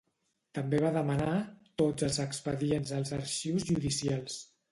També va demanar tots els expedients als arxius judicials.